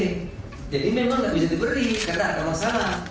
memang nggak bisa diberi karena ada masalah